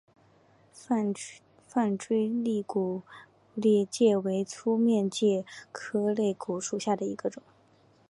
范睢肋骨介为粗面介科肋骨介属下的一个种。